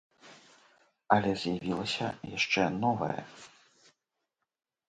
Але з'явілася яшчэ новае.